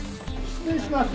失礼します。